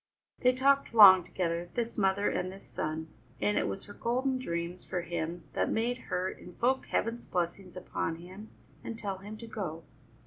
They talked long together, this mother and this son, and it was her golden dreams for him that made her invoke Heaven's blessings upon him and tell him to go.